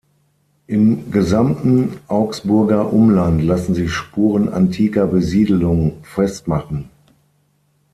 Im gesamten Augsburger Umland lassen sich Spuren antiker Besiedelung festmachen.